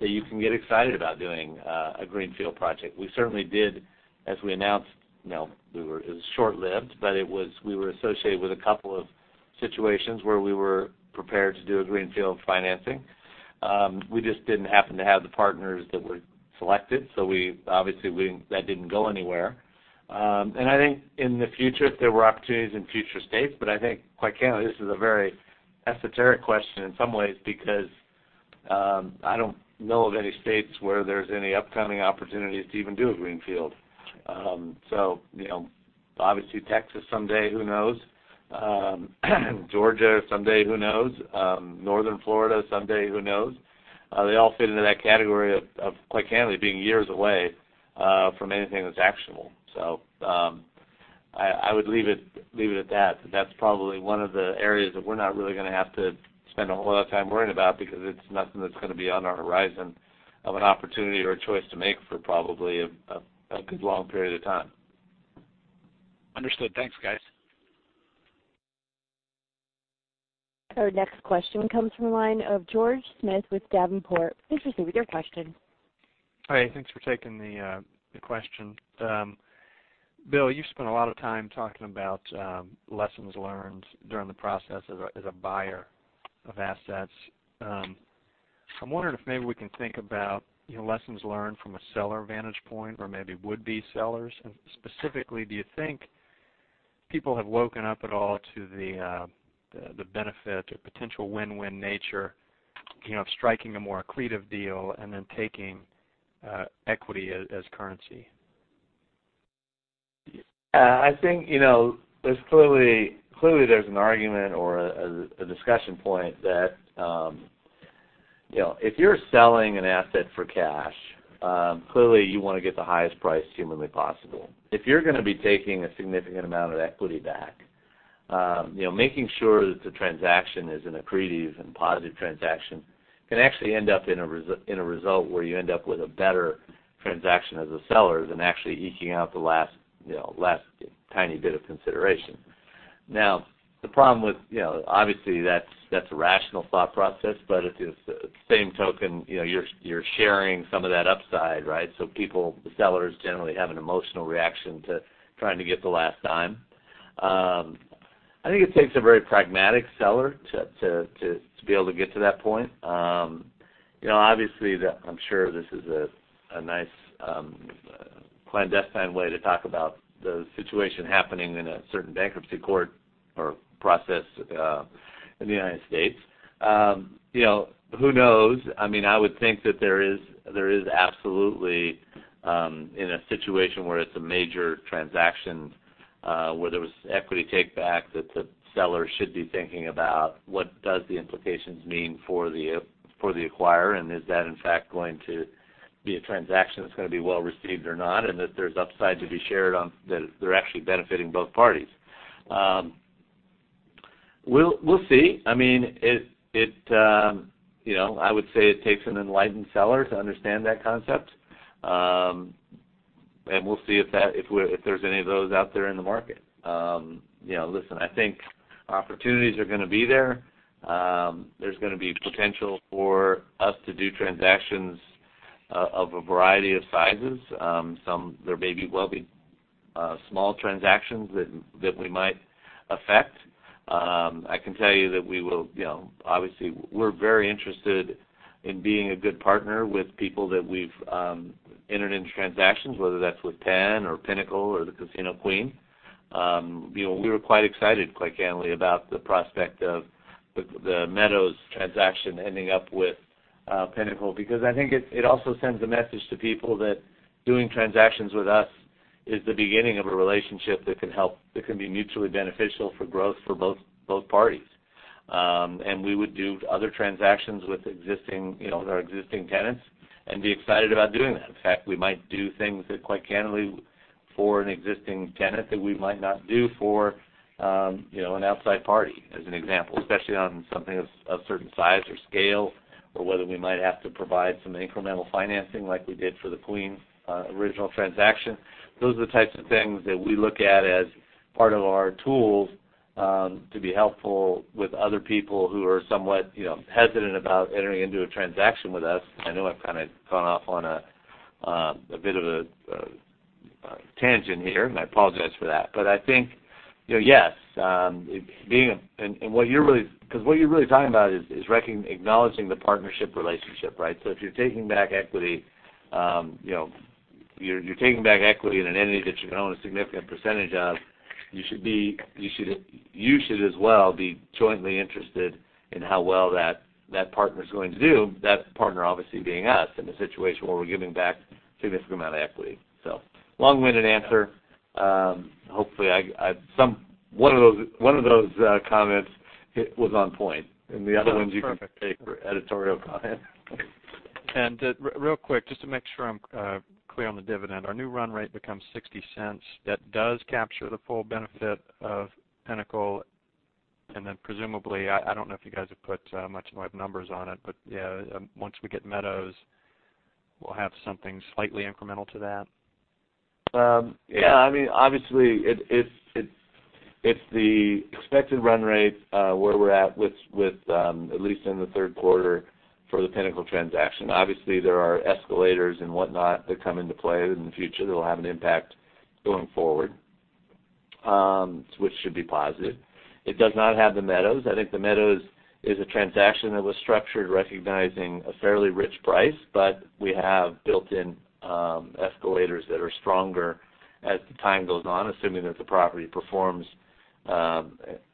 that you can get excited about doing a greenfield project. We certainly did, as we announced. It was short-lived, but we were associated with a couple of situations where we were prepared to do a greenfield financing. We just didn't happen to have the partners that we selected, obviously, that didn't go anywhere. I think in the future, if there were opportunities in future states, but I think, quite candidly, this is a very esoteric question in some ways, because I don't know of any states where there's any upcoming opportunities to even do a greenfield. Obviously Texas someday, who knows? Georgia someday, who knows? Northern Florida someday, who knows? They all fit into that category of, quite candidly, being years away from anything that's actionable. I would leave it at that that's probably one of the areas that we're not really going to have to spend a whole lot of time worrying about, because it's nothing that's going to be on our horizon of an opportunity or a choice to make for probably a good long period of time. Understood. Thanks, guys. Our next question comes from the line of George Smith with Davenport. Please proceed with your question. Hi, thanks for taking the question. Bill, you've spent a lot of time talking about lessons learned during the process as a buyer of assets. I'm wondering if maybe we can think about lessons learned from a seller vantage point or maybe would-be sellers. Specifically, do you think people have woken up at all to the benefit or potential win-win nature of striking a more accretive deal and then taking equity as currency? I think clearly there's an argument or a discussion point that if you're selling an asset for cash, clearly you want to get the highest price humanly possible. If you're going to be taking a significant amount of equity back, making sure that the transaction is an accretive and positive transaction can actually end up in a result where you end up with a better transaction as a seller than actually eking out the last tiny bit of consideration. Obviously that's a rational thought process, but at the same token, you're sharing some of that upside, right? People, the sellers, generally have an emotional reaction to trying to get the last dime. I think it takes a very pragmatic seller to be able to get to that point. Obviously, I'm sure this is a nice clandestine way to talk about the situation happening in a certain bankruptcy court or process in the U.S. Who knows? I would think that there is absolutely, in a situation where it's a major transaction, where there was equity take back, that the seller should be thinking about what does the implications mean for the acquirer, and is that in fact going to be a transaction that's going to be well received or not, and that there's upside to be shared on that they're actually benefiting both parties. We'll see. I would say it takes an enlightened seller to understand that concept. We'll see if there's any of those out there in the market. Listen, I think opportunities are going to be there. There's going to be potential for us to do transactions of a variety of sizes. Some, there may well be small transactions that we might affect. I can tell you that obviously, we're very interested in being a good partner with people that we've entered into transactions, whether that's with Penn or Pinnacle or the Casino Queen. We were quite excited, quite candidly, about the prospect of the Meadows transaction ending up with Pinnacle, because I think it also sends a message to people that doing transactions with us is the beginning of a relationship that can be mutually beneficial for growth for both parties. We would do other transactions with our existing tenants and be excited about doing that. In fact, we might do things that, quite candidly, for an existing tenant that we might not do for an outside party, as an example. Especially on something of a certain size or scale, or whether we might have to provide some incremental financing like we did for the Queen original transaction. Those are the types of things that we look at as part of our tools to be helpful with other people who are somewhat hesitant about entering into a transaction with us. I know I've kind of gone off on a bit of a tangent here, I apologize for that. I think, yes. What you're really talking about is acknowledging the partnership relationship, right? If you're taking back equity in an entity that you own a significant percentage of, you should as well be jointly interested in how well that partner is going to do, that partner obviously being us in a situation where we're giving back a significant amount of equity. Long-winded answer. Hopefully, one of those comments It was on point. The other ones you can take for editorial comment. Real quick, just to make sure I'm clear on the dividend. Our new run rate becomes $0.60. That does capture the full benefit of Pinnacle, presumably, I don't know if you guys have put much more numbers on it, but once we get Meadows, we'll have something slightly incremental to that? Yeah. Obviously, it's the expected run rate, where we're at with, at least in the third quarter for the Pinnacle transaction. Obviously, there are escalators and whatnot that come into play in the future that'll have an impact going forward, which should be positive. It does not have the Meadows. I think the Meadows is a transaction that was structured recognizing a fairly rich price, but we have built-in escalators that are stronger as the time goes on, assuming that the property performs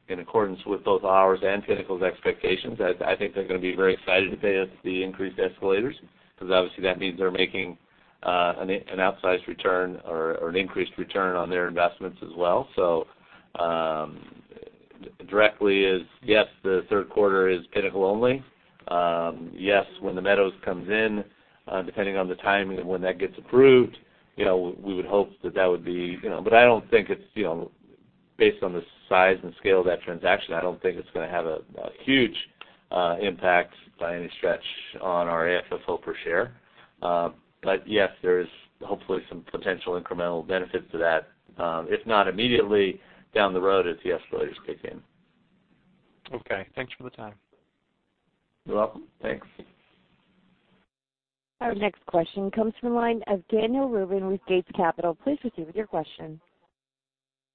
in accordance with both ours and Pinnacle's expectations. I think they're going to be very excited to pay us the increased escalators because obviously that means they're making an outsized return or an increased return on their investments as well. Directly is, yes, the third quarter is Pinnacle only. Yes, when the Meadows comes in, depending on the timing of when that gets approved, based on the size and scale of that transaction, I don't think it's going to have a huge impact by any stretch on our AFFO per share. Yes, there is hopefully some potential incremental benefit to that. If not immediately, down the road as the escalators kick in. Okay. Thanks for the time. You're welcome. Thanks. Our next question comes from the line of Daniel Rubin with Gates Capital. Please proceed with your question.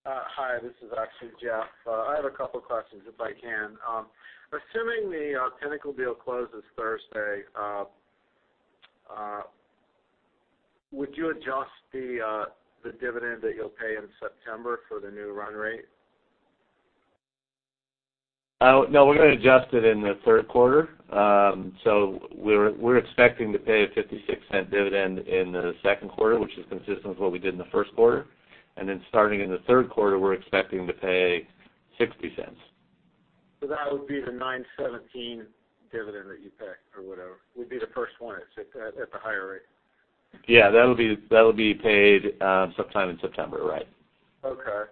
Hi, this is actually Jeff. I have a couple of questions if I can. Assuming the Pinnacle deal closes Thursday, would you adjust the dividend that you'll pay in September for the new run rate? We're going to adjust it in the third quarter. We're expecting to pay a $0.56 dividend in the second quarter, which is consistent with what we did in the first quarter. Starting in the third quarter, we're expecting to pay $0.60. That would be the 9/17 dividend that you pay or whatever, would be the first one at the higher rate. Yeah, that'll be paid sometime in September. Right. Okay.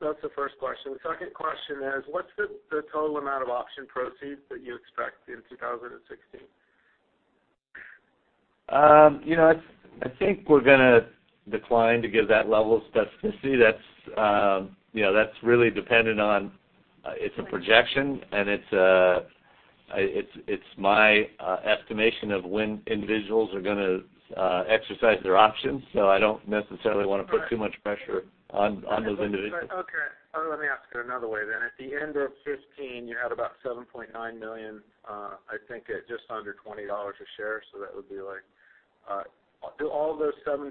That's the first question. The second question is, what's the total amount of option proceeds that you expect in 2016? I think we're going to decline to give that level of specificity. That's really dependent on it's a projection, and it's my estimation of when individuals are going to exercise their options. I don't necessarily want to put too much pressure on those individuals. Okay. Let me ask it another way then. At the end of 2015, you had about 7.9 million, I think at just under $20 a share. That would be like Do all of those 7.9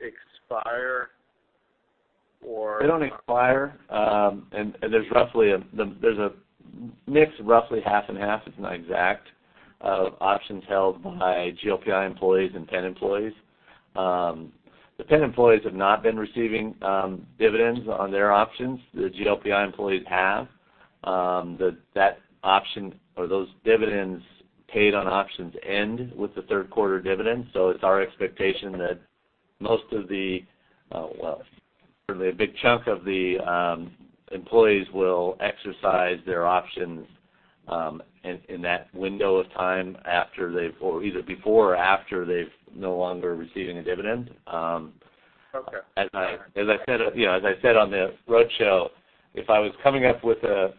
expire? They don't expire. There's a mix of roughly half and half, it's not exact, of options held by GLPI employees and Penn employees. The Penn employees have not been receiving dividends on their options. The GLPI employees have. Those dividends paid on options end with the third quarter dividend. It's our expectation that most of the, well, certainly a big chunk of the employees will exercise their options in that window of time either before or after they're no longer receiving a dividend. Okay. As I said on the roadshow, if I was coming up with a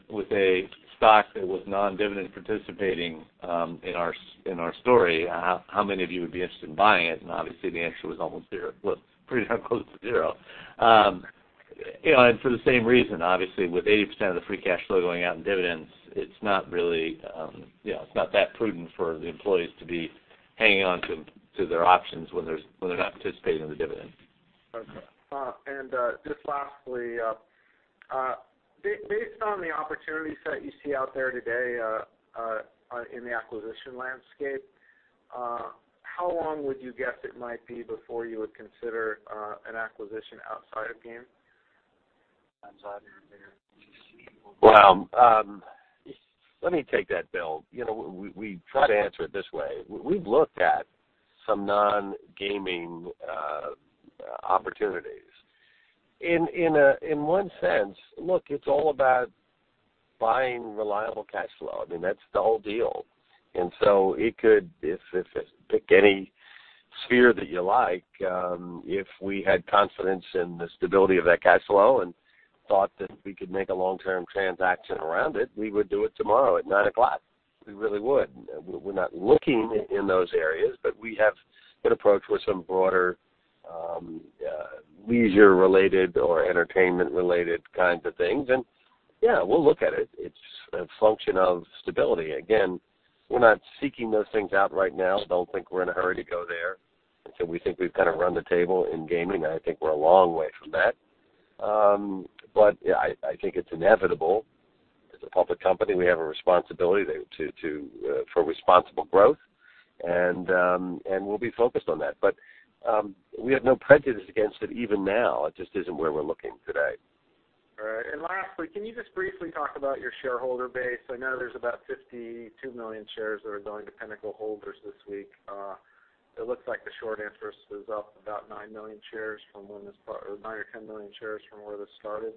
stock that was non-dividend participating in our story, how many of you would be interested in buying it? Obviously the answer was almost zero. Well, pretty close to zero. For the same reason, obviously, with 80% of the free cash flow going out in dividends, it's not that prudent for the employees to be hanging on to their options when they're not participating in the dividend. Just lastly, based on the opportunities that you see out there today in the acquisition landscape, how long would you guess it might be before you would consider an acquisition outside of gaming? Well, let me take that, Bill. We try to answer it this way. We've looked at some non-gaming opportunities. In one sense, look, it's all about buying reliable cash flow. That's the whole deal. So it could, pick any sphere that you like, if we had confidence in the stability of that cash flow and thought that we could make a long-term transaction around it, we would do it tomorrow at 9 o'clock. We really would. We're not looking in those areas, but we have been approached with some broader leisure-related or entertainment-related kinds of things. Yeah, we'll look at it. It's a function of stability. Again, we're not seeking those things out right now. Don't think we're in a hurry to go there. Don't think we've kind of run the table in gaming, and I think we're a long way from that. I think it's inevitable As a public company, we have a responsibility for responsible growth, and we'll be focused on that. We have no prejudice against it even now. It just isn't where we're looking today. Lastly, can you just briefly talk about your shareholder base? I know there's about 52 million shares that are going to Pinnacle holders this week. It looks like the short interest is up about nine or 10 million shares from where this started.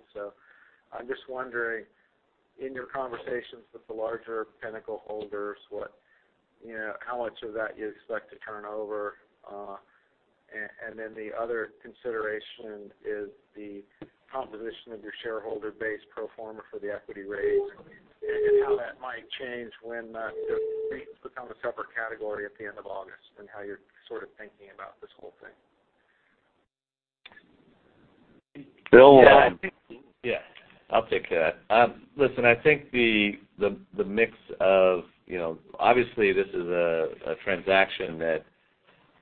I'm just wondering, in your conversations with the larger Pinnacle holders, how much of that you expect to turn over? Then the other consideration is the composition of your shareholder base pro forma for the equity raise, and how that might change when the states become a separate category at the end of August, and how you're sort of thinking about this whole thing. Bill? Yeah. I'll take that. Listen, obviously this is a transaction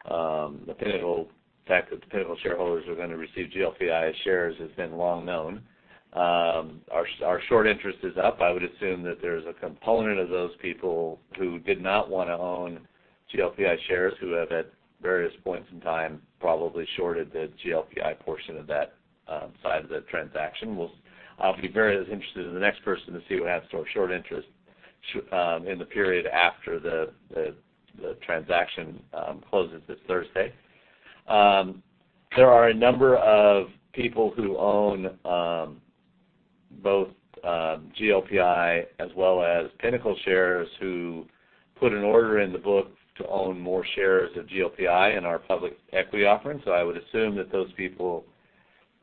that the Pinnacle shareholders are going to receive GLPI shares has been long known. Our short interest is up. I would assume that there's a component of those people who did not want to own GLPI shares who have, at various points in time, probably shorted the GLPI portion of that side of the transaction. I'll be very interested in the next person to see who has short interest in the period after the transaction closes this Thursday. There are a number of people who own both GLPI as well as Pinnacle shares, who put an order in the book to own more shares of GLPI in our public equity offering. I would assume that those people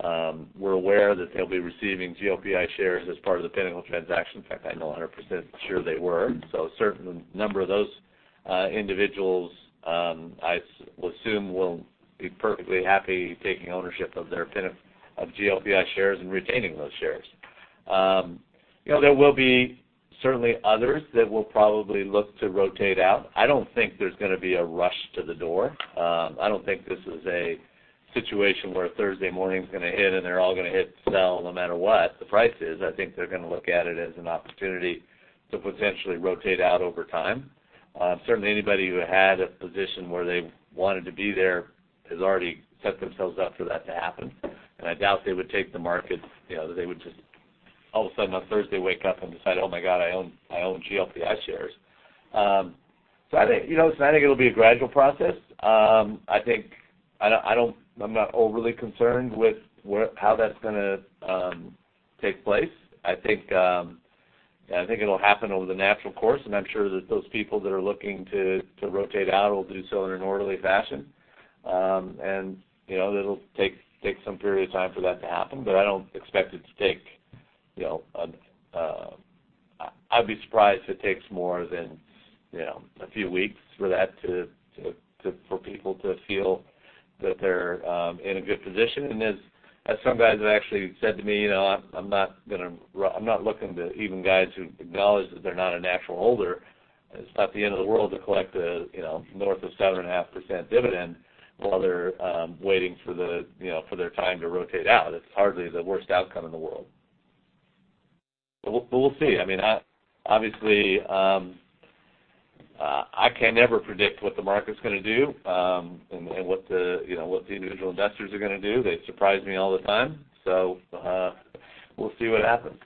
were aware that they'll be receiving GLPI shares as part of the Pinnacle transaction. In fact, I'm 100% sure they were. A certain number of those individuals, I will assume, will be perfectly happy taking ownership of their GLPI shares and retaining those shares. There will be certainly others that will probably look to rotate out. I don't think there's going to be a rush to the door. I don't think this is a situation where Thursday morning's going to hit and they're all going to hit sell no matter what the price is. I think they're going to look at it as an opportunity to potentially rotate out over time. Certainly, anybody who had a position where they wanted to be there has already set themselves up for that to happen. I doubt they would take the market, that they would just all of a sudden on Thursday wake up and decide, "Oh, my God, I own GLPI shares." I think it'll be a gradual process. I'm not overly concerned with how that's going to take place. I think it'll happen over the natural course. I'm sure that those people that are looking to rotate out will do so in an orderly fashion. It'll take some period of time for that to happen, but I'd be surprised if it takes more than a few weeks for people to feel that they're in a good position. As some guys have actually said to me, "I'm not looking to even guys who acknowledge that they're not a natural holder. It's not the end of the world to collect north of 7.5% dividend while they're waiting for their time to rotate out. It's hardly the worst outcome in the world. We'll see. Obviously, I can never predict what the market's going to do, and what the individual investors are going to do. They surprise me all the time. We'll see what happens.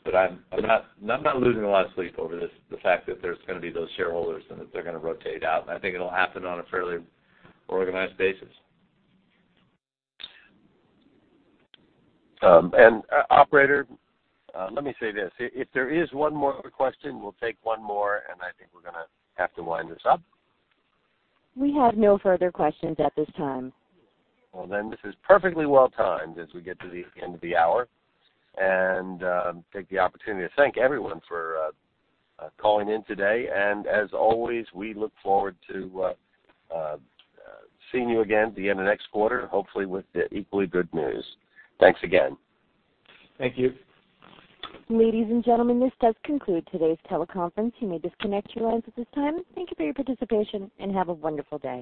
I'm not losing a lot of sleep over this, the fact that there's going to be those shareholders and that they're going to rotate out. I think it'll happen on a fairly organized basis. Operator, let me say this. If there is one more question, we'll take one more, and I think we're going to have to wind this up. We have no further questions at this time. Well, this is perfectly well-timed as we get to the end of the hour. Take the opportunity to thank everyone for calling in today. As always, we look forward to seeing you again at the end of next quarter, hopefully with equally good news. Thanks again. Thank you. Ladies and gentlemen, this does conclude today's teleconference. You may disconnect your lines at this time. Thank you for your participation. Have a wonderful day.